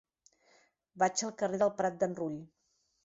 Vaig al carrer del Prat d'en Rull.